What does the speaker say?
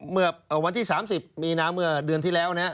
เมื่อวันที่๓๐มีนาเมื่อเดือนที่แล้วนะฮะ